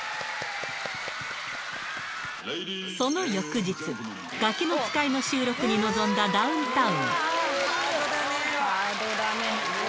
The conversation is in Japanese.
その翌日、ガキの使いの収録に臨んだダウンタウン。